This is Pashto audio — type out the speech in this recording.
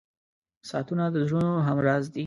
• ساعتونه د زړونو همراز دي.